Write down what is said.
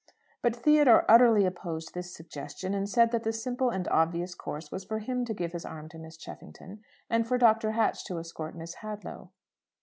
But Theodore utterly opposed this suggestion, and said that the simple and obvious course was for him to give his arm to Miss Cheffington, and for Dr. Hatch to escort Miss Hadlow.